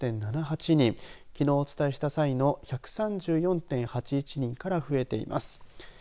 きのうお伝えした際の１３４．８１人から増えています。